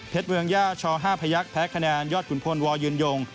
เมืองย่าช๕พยักษ์แพ้คะแนนยอดขุนพลวอยืนยง